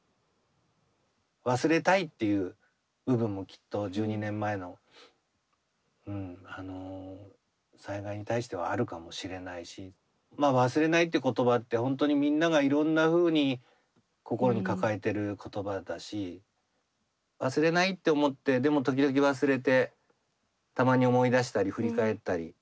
忘れたいっていう部分もきっと１２年前のあの災害に対してはあるかもしれないしまあ忘れないって言葉ってほんとにみんながいろんなふうに心に抱えてる言葉だし忘れないって思ってでも時々忘れてたまに思い出したり振り返ったり。